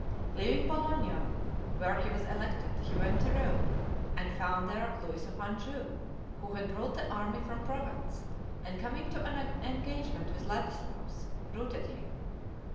Leaving Bologna, where he was elected, he went to Rome, and found there Louis of Anjou, who had brought the army from Provence, and coming to an engagement with Ladislaus, routed him.